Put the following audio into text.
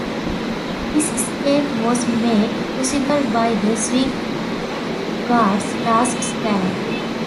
His escape was made possible by the Swiss Guards' last stand.